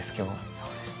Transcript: そうですね。